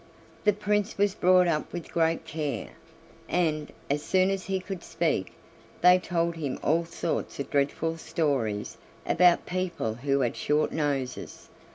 The Prince was brought up with great care; and, as soon as he could speak, they told him all sorts of dreadful stories about people who had short noses.